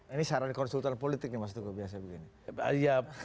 ini saran konsultan politik ya mas tungguh biasa begini